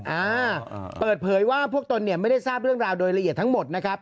อ่าเปิดเผยว่าพวกตนเนี่ยไม่ได้ทราบเรื่องราวโดยละเอียดทั้งหมดนะครับ